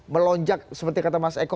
melonjak seperti kata mas eko